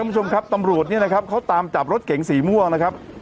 คุณผู้ชมครับตำรวจเนี่ยนะครับเขาตามจับรถเก๋งสีม่วงนะครับ